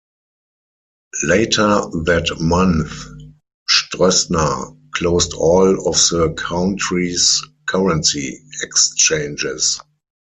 Later that month, Stroessner closed all of the country's currency exchanges.